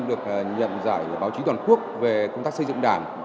được nhận giải báo chí toàn quốc về công tác xây dựng đảng